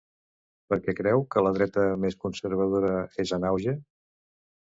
Per què creu que la dreta més conservadora és en auge?